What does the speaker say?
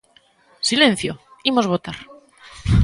¡Silencio, imos votar!